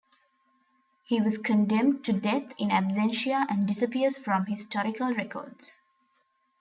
He was condemned to death "in absentia" and disappears from historical records.